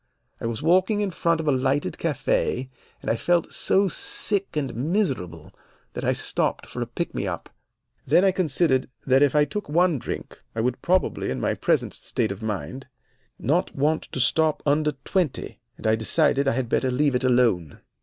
"I was walking in front of a lighted cafe, and I felt so sick and miserable that I stopped for a pick me up. Then I considered that if I took one drink I would probably, in my present state of mind, not want to stop under twenty, and I decided I had better leave it alone.